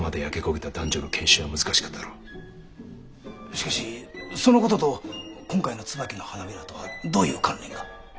しかしその事と今回の椿の花びらとはどういう関連が？